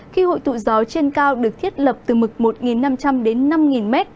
khi hội tụ gió trên cao được thiết lập từ mực một năm trăm linh đến năm m